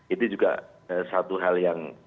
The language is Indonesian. itu juga satu hal yang